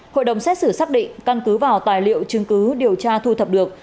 hội đồng xét xử xác định căn cứ vào tài liệu chứng cứ điều tra thu thập được